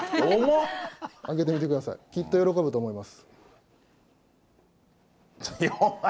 開けてみてください、きっと喜ぶと思います。